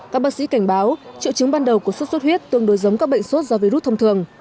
các bác sĩ cảnh báo triệu chứng ban đầu của sốt xuất huyết tương đối giống các bệnh sốt do virus thông thường